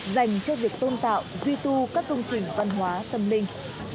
dành cho việc tôn tạo duy tu các công trình văn hóa tâm linh